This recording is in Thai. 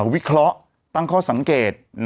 วิเคราะห์ตั้งข้อสังเกต